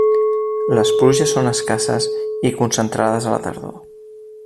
Les pluges són escasses i concentrades a la tardor.